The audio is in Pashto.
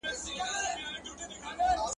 هر حیوان چي به لیدی ورته حیران وو .